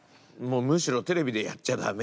むしろテレビでやっちゃダメ。